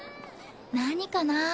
何かな？